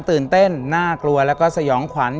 ตื่นเต้นน่ากลัวแล้วก็สยองขวัญ